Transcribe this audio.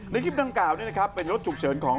ในคลิปด้านกล่าวเป็นรถจุกเฉินของ